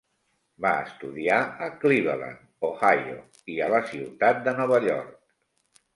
Va estudiar a Cleveland, Ohio i a la ciutat de Nova York.